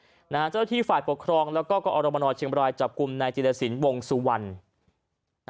เจ้าหน้าที่ฝ่ายปกครองแล้วก็กอรมนเชียงบรายจับกลุ่มนายจิลสินวงสุวรรณ